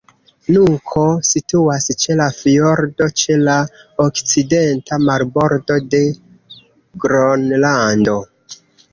Nuko situas ĉe la fjordo ĉe la okcidenta marbordo de Gronlando.